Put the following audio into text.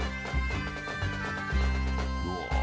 うわ！